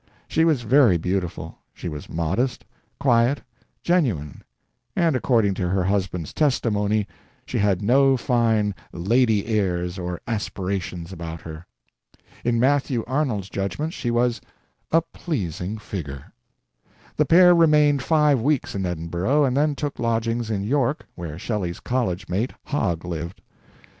She was very beautiful, she was modest, quiet, genuine, and, according to her husband's testimony, she had no fine lady airs or aspirations about her. In Matthew Arnold's judgment, she was "a pleasing figure." The pair remained five weeks in Edinburgh, and then took lodgings in York, where Shelley's college mate, Hogg, lived.